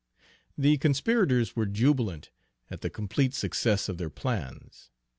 The conspirators were jubilant at the complete success of their plans.